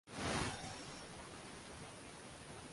Hatto yolg‘izlikni suymaydi chayon